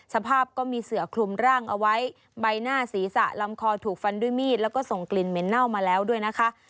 สภาพก็มีเสือคลุมร่างเอาไว้ใบหน้าศีรษะลำคอถูกฟันด้วยมีดแล้วก็ส่งกลิ่นเหม็นเน่ามาแล้วด้วยนะคะ